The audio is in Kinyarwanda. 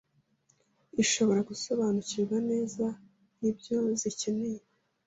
ishobora gusobanukirwa neza n’ibyo zikeneye